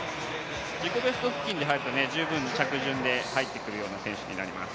自己ベスト付近に入ると十分着順で入ってくるような選手になります。